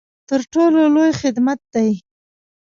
تر ټولو لوی خدمت دی.